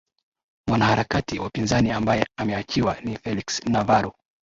mwanaharakati wapinzani ambaye ameachiwa ni felix navaro